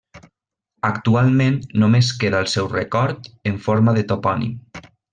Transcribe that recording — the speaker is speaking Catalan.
Actualment només queda el seu record en forma de topònim.